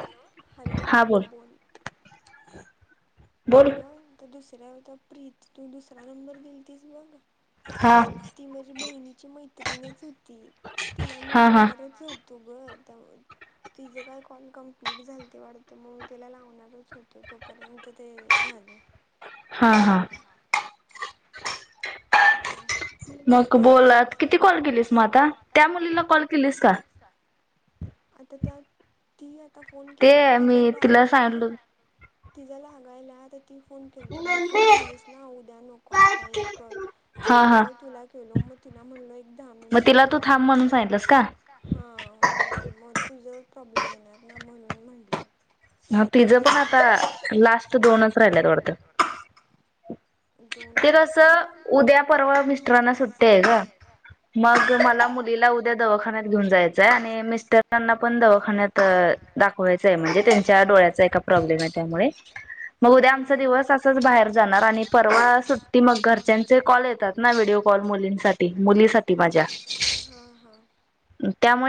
Hello hello हा बोल. [inaudible] अगं त्यां दुसऱ्या होता प्रीत तू दुसरा नंबर दिलतीस बघ. हा! ती माझी बहिणीची मैत्रिणीच होती, तिला मी लावणारच हो तो ग त्यामुळं. तिच काय कॉल कंप्लीट झाल ते वाटत, म्हणून तिला लावणारच होते तोपर्यंत. त ते झाले. हा, हा! हं! मग बोलात किती कॉल केलीस म आता त्या मुलीला कॉल केलीस का? आता त्यात ती आता फोन केल ति ती ज रागायला. तिजा लागायला त ती फोन केल ती म तू म्हनंलीस ना उद्या नको आता एक कर. त्यामुळ तुला केलो, म तिला म्हणलो एक दहा मिनटं थांबा. हा हो म तुझ प्रॉब्लेम येणार ना म्हणून म्हनंलं. हा तीच पण आता लास्ट दोनच राहिल्यात वाटत. दोन हायत काय? मग मला मुलीला उद्या दवाखान्यात घेऊन जायचंय आहे, आणि मिस्टरांना पण दवाखान्यात अ दा खवायच आहे म्हणजे त्यांच्या डोळ्याचा एकां प्रॉब्लेम आहे त्यामुळे. म उद्या आमचा दिवस असाच बाहेर जाणार, आणि परवा सुट्टी मग घर घरच्यांचे कॉल येतात ना व्हिडिओ कॉल मुलीं, मुलीसाठी माझ्या.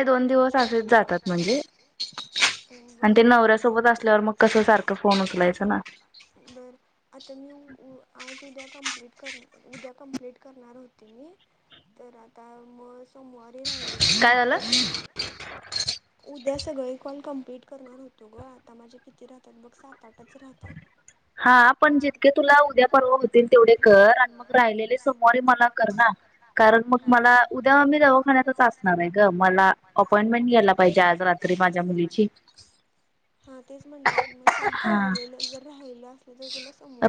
त्यामुळे दोन दिवस अजून जाता तिचे. सोबत असल्यावर मग कस सारखं फोन उचलायचं ना. बरं आता मी ऊ-ऊ आज उद्या कंप्लीट. कर उद्या कम्प्लिट करणार होते मी तर आता म स मवारी राहिले तर तुला करतो मी. उद्या सगळे कॉल कंप्लिट करणार होतो ग, आता माझे किती राहतात बग सात आठ. पाच राहतात, हा पण तितके तुला उद्या परवा होईल. कर मग राहिलेले सोमवारी मला कर ना, कारण मग मला उद्या मी दवाखान्यातस आस ना नाही ग मला अपॉइंमेंट घ्यायला पाहिजे, आज रात्री माझ्या मुलीची. हा तेच म्हणल की म सोम राहिलेलं जर राहयल.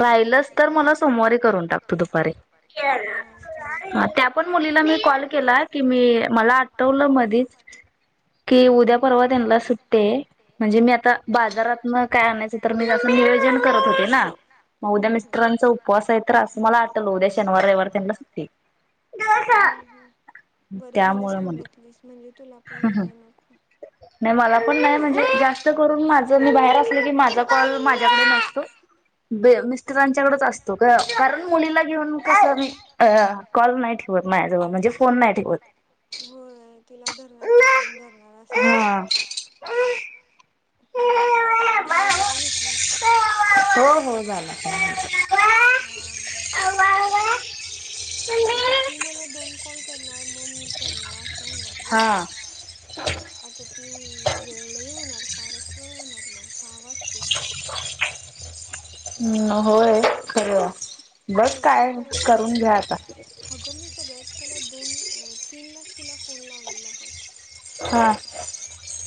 राहिलच तर मला सोमवारी करून टाक तु दुपारी. अ त्या पण मुलीला मी कॉल केला की मी मला आटवलं मधीच. [inaudible] कि उद्या पर्वा त्यांना सुट्टी आहे म्हणजे मी आता बाजारातन काय आणायचं तर मी नियोजन करत होते ना म उद्या मित्रांचा उपवास आहे तर आस मला आटल उद्या शनिवार रविवार त्यान्ला सुट्टी ह ह बर झालं सांगितलीस म्हणजे तुलापण हे नको. नाय मला पण नाय म्हणजे जास्तकारून माझ मी बाहेर अस्लो की माझा कॉल माझ्याकडे नसतो. बे मिस्टरांच्याकडच असतो ग. कारण मुलीला घेऊन कस म कॉल नाही ठेवत माझ्याजवळ म्हणजे फोन नाय ठेवत. व्हय तिला धरन्यारका फोन धरणार असं होत. ह चहा वैगरा घेतलास का? हो हो झाला कायमचा. हो. आता ती मला दोन कॉल करणार म मी करणार असं होणार ग. आता ती वेळ लय होणार फारच होणार म सहा वाजतील. न. होय खरं बघ काय करून घ्या आता. अगं मी सगळ्यात पहिला दोन तीनलाच तिला फोन लावलेला त्याचा. हा.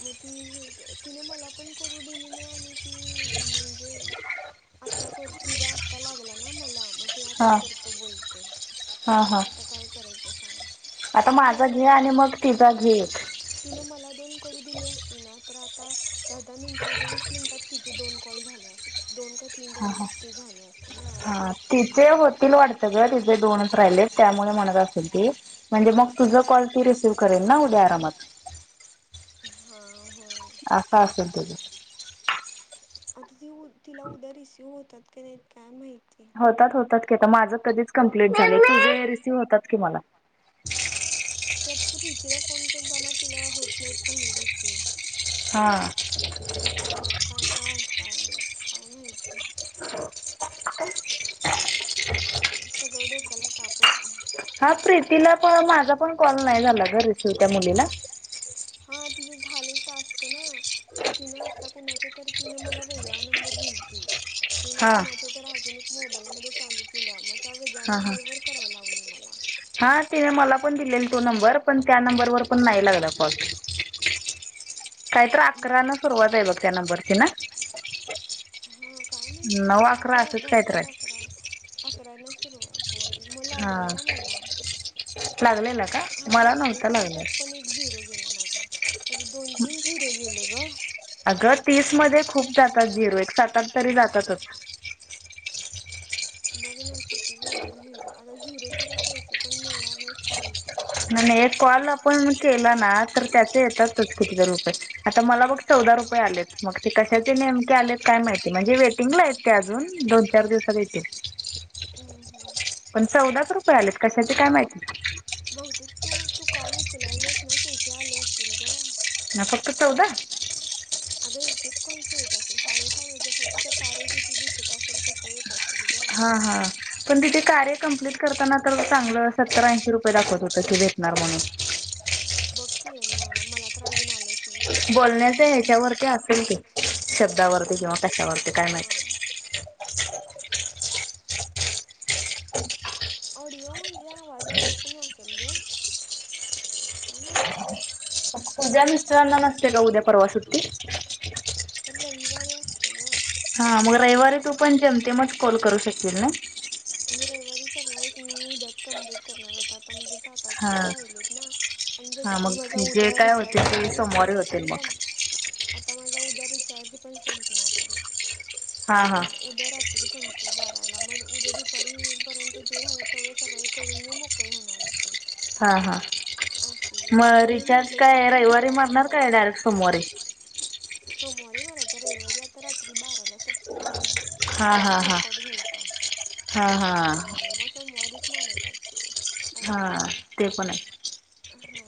म ती तिन मला पण करू दिली नाही आणि की म्हणजे आता कर तुजा आता लागला ना मला म ते आता करतो बोलते. आता काय करायचं सांग? तिनं मला दोन करू दिली असती ना तर आता दहा दाहा मिनटं म्हणजे वीस मिनटात तिचेे दोन कॉल झाले असे दोन काय हा तिचे होतील वाटतग तिचे दोनच राहिलेत त्यामुळे म्हणत अस म्हणजे मग तुझ कॉल ती रिसीव्ह करेल ना उद्या आरामात. हा व्हय. आस असेल तुझं. आता ती तिला उद्या रिसीव्ह होतात की नाहीत काय माहित. होतात होतात की आता माझं कधीच कंपलीट झाले तुझे रिसीव्ह होतात की मला. त्यातपूर्वी तिला फोण केलताना तिला होत नाहीत म्हणे रिसीव्ह. तझा काय काय असतय काय माहिती [unintelligible] [inaudible] सगळं डोक्याला तपाचं हा प्रीतीला प माझा पण कॉल नाही झाला ग रिसिव्ह त्या मुलीला. हा तिचं झाले टास्क ना. म तिनं आता कुणाचे तर तिनं मला वेगळा नंबर दिलिती. तिनं कुणाच्या तर आजुूनिक मोबाईल मध्ये चालू केला मग त्या व या्या नंबरवर करायलावली मला हा तिने मला पण दिलेला तो नंबर पण त्या नंबरवर पण नाही लागला फॉट. काय तर अकरा ना सुरुवात आहे बघ त्या नंबरची ना. हा काय नाहीती हो बोलते काय? अक अकराला सुरुवात आहे म लागलेला मला हा लागलेला आणि त्यात पण एक झिरो गेला माझा अचछा दोन तीन सि ररोज मिले का? अगं तीस मध्ये खूप जातात झिरो एक सातात तरी जातातच. बघ नाहीतर किती गेले झिरो, आता झिरोचे का पैसे पण मिळणार नाहीत काहीच नाही. नाही नाही, हे कॉल आपण केला ना तर त्याचे येतातच किती जर रुपये, आता मला बघ चौदा रुपये आलेत, मग ते कशाचे नेमके आलेत काय माहिती, म्हणजे वेटिंग ला आहेत ते अजून दोन चार दिवसात येतील. हम् हम, चौदाच रुपये आलेत कशाचे काय माहिती बहुतेक तू, तू कॉल उचलाय नाहीस ना, त्याचेे आले असतील ग. हा, फक्त चौदाच [unintelligible] [inaudible] अगं एक एक कॉलच येत असल, हळू हळू जसं तुझं कार्य जस दिसत असल तसं येत असेल ग. हा हा. पण तिथ कार्य कमप्लीट करताना तर चांगलं, सत्तरा ऐंशी रुपये दाखवत होत की भेटणार म्हणून बघ, की, म मला तर अजून आल [unintelligible] कधी येतील तेव्हा, [unintelligible] हम हम. ऑडिओ म्हणजे आवाजावर पण आ असल घ काय माहिती? तुझ्या मिस्टरांना नसते का उद्या परवा सुट्टी? तर रविवारी अस असते ना. हा, मग रविवारी तू पण जेमतेमच कॉल करू शकशील ना. आणि रविवारी करणारच नाही, मी उद्याच कम्प्लीट करणार होतो, आता म्हणज सात आठच राहिलेत ना, आणि तसा पण माझा उद्या रिचार्ज रिचार्ज पण स आता माझा उद्या रिचार्ज पण संपणार आहे, आता उद्या तिरी संमते बाराला मग, उद्या दुपारीपर्यंत जे राहतात तेवढ्या सकाळी करून मी मोक होणार होते, अस म्हणून म्हटल मी उद्या करते [inaudible] सोमवारी भरायचा, रविवारी आता रात्री बाराला संपतय म कुणाचा तर हॉटस्पॉट घ्यायचा, नवऱ्याचा वगैरे, मग सोमवारी [unintelligible] असं हो.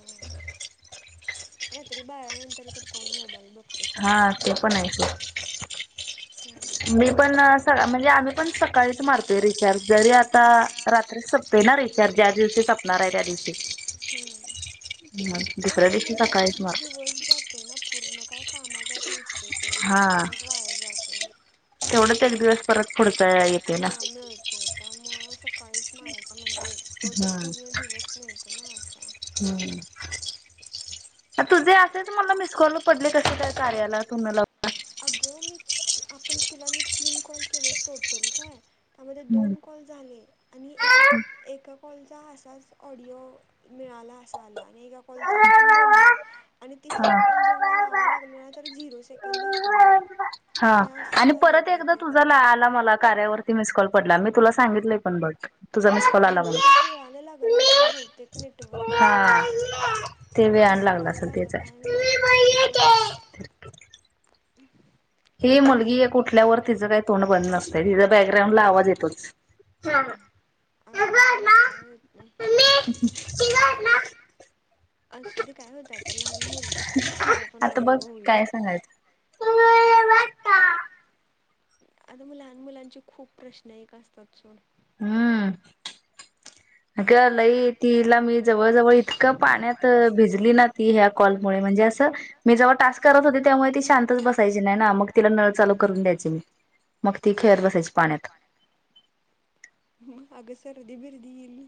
रात्री बारा नंतर तर कोण मोबाईल बघ हा, ते पण आहे क मी पण म्हणजे, आम्ही पण सकाळीच मारतोय रिचार्ज, जरी आता रात्री स [unintelligible] दिवशी संपणार आहे त्या दिव हम्म. [unintelligible] होय, [inaudible] मग दिवस दिवस जाते ना पूर्ण, काय कामाचाच नस डाटा असाच वाया जातोय. [unintelligible] हा मिळत [unintelligible] काळीच मारायचा म्हणजे, तो तर पूर्ण दिवस मिळतो ना असा हम्म. तुझे असेच मला मिस कॉल पडले कसे काय, कार्याला तुम्हा अगं मी आपण तुला मी तीन कॉल केलोय टोटल काय त्यामध्ये दोन कॉल झाले, आणि एका एका कॉलचा असाच ऑडिओ मिळाला असा आला, आणि एका कॉलचा आपण बोललो, आणि तिसरा कॉल जेव्हा लावायला लाग मि तर झिरो सेकंद दाखवलं. ते असं झालय [unintelligible] हा, म्हणजे ते वेळाने लागलं असेल बहतेक नेटवर्क इश्यूमुळे असं काय झालं काय माहिती? त्यामुळे हे मुलगी कुठल्यावर तिचं काही तोंड बंद नसते तिचा बॅकग्राउंड ला आवाज येतोच. हा हा अस अस दे काय होत नाही. तठी ना [unintelligible] असुदे काय होतय आता लहान मुलगी तर आहे तिचा पण ऑडिओ होईल. आता लहान मुलांचे खूप प्रश्न एक असतात सोड. हम्म. अगं लई तिला मी जवळ जवळ इतकं पाण्यात भिजली ना ती ह्या. म्हणजे मी जेव्हा टास्क करत होते त्यामुळे ती शांत बसायची नाही मग तिला नळ चालू करून द्यायचो. मग ती खेळत बसायची पाण्यात. ह अगं सर्दी बिर्दी येईल.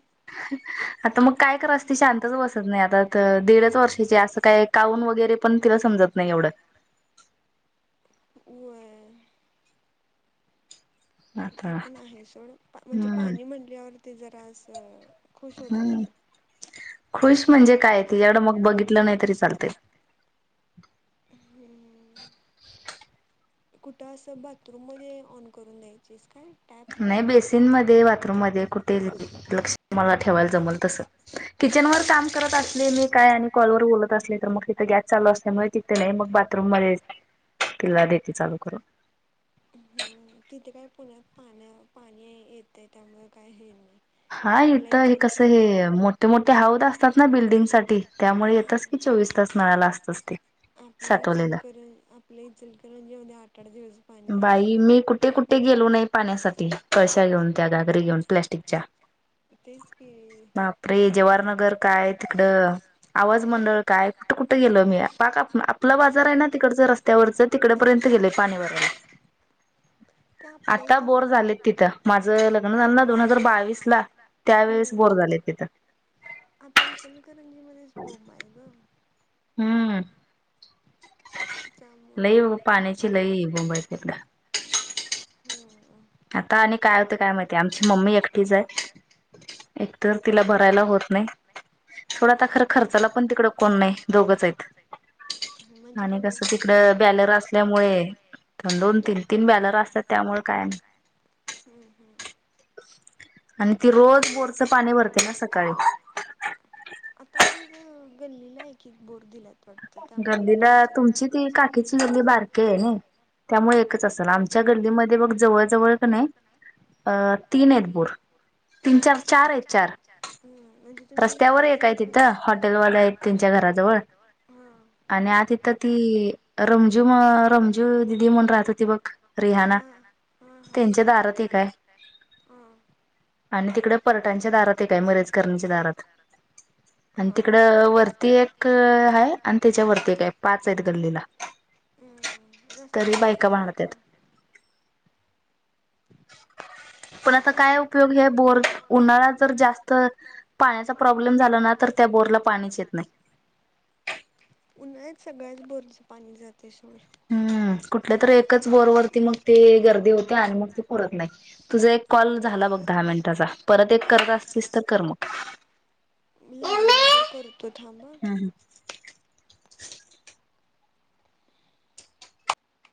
आता मग काय करायचं शांतच बसत नाही आता दीडच वर्षाची अस. काय काउन वगैरे पण तिला समजत नाही एवढं. हो. ते पण आहे सोड म्हणजे पाणी म्हटल्यावर ते जरा अस. हम्म खुश म्हणजे काय तिच्याकडं मग बघितलं नाही तरी चालतय. हम्म. कुठं असं बाथरूम मध्ये ऑन करून द्यायचेस काय टॅप. नाही बेसिन मध्ये बाथरूम मध्ये कुठे लक्ष मला ठेवायला जमल तसं. किचन वर काम करत असले मी काय आणि कॉलवर बोलत असले तर मग तिथे गॅस चालू असल्यामुळे. ते नाही मग बाथरूम मध्ये. अर [unintelligible] तिला देते चालू करून. तिथे काय पुण्यात पाण्या पाणी येतय त्यामुळे काय हे नाही. हा इथं हे कसं हे मोठे मोठे हौद असतात ना बिल्डिंगसाठी त्यामुळे येतच. हे चोवीस तास नळाला असतच ते. आपल्या इचलकरं आपल्या इचलकरंजीमध्ये आठ आठ दिवस पाणी हाय. मी कुठे कुठे गेलो नाही पाण्यासाठी कळश्या घेऊन त्या घागरी घेऊन प्लॅस्टिकच्या. तेच ग. बापरे जवाहरनगर काय तिकडं. आवाज मंडळ काय कुठं कुठं गेल मी पाक आपला बाजार आहे ना तिकडचं रस्त्यावरचं. तिकडपर्यंत गेले पाणी भराय. ते आपल्या इथंच आहे. आपल्या इचलकरजी मध्येच बोबा आहे ग. हम्म लई बघ पाण्याची लई बोंब आहे सध्या. हम्म. आता आणि काय होतं काय माहितीय आमची मम्मी एकटीच आहे. एकतर तिला भरायला होत नाही. थोडं आता खरं खर्चाला पण तिकडे कोण नाही दोघच आहेत. म्हणजे कमीच असते बॅलर असल्यामुळे. दोन तीन तीन बॅनर असतात त्यामुळे काय. हम् हम्. आणि ती रोज बोरचं पाणी भरते ना सकाळी. आता काही गल्ली ला एक एक बोर दिल्यात. गर्दीला तुमची ती काकीची गल्ली बारकी आहे नय. त्यामुळे एकच असेल. आमच्या गर्दीमध्ये बग जवळ जवळ कणी अ तीन आहेत बोर. तीन चार चार आहेत चार. हम्म म्हणजे रस्त्यावर एक हाय तिथं हॉटेलवाले आहेत त्यांच्या घराजवळ. होय. अन आधी त ती रमजू म रमजू दिदी म्हणून राहत होती बघ रिहाणा. त्यांच्या दारात हे काय आणि तिकडे परटच्या दारात हे काय मरेच [unintelligible] दारात अन तिकडं वरती एक हाय आणि त्याचा वरती एक आहे. पाच आहेत गल्लीला. तरी बायका भांडत्यात. पण आता काय उपयोग हे बोर उन्हाळा जर जास्त पाण्याचा प्रॉब्लेम झाला ना तर त्या बोरला पाणीच येत नाही. उन्हाळ्यात सगळ्याच बोरचं पाणी जाते सोड. हम्म. कुठल्या तरी एकच बोरवरती मग ते गर्दी होते आणि मग ते पुरत नाही. तुझं एक कॉल झाला बघ दहा मिनिटाचा. परत एक करत असतीस तर कर मग. लागला तर करतो थांब अ.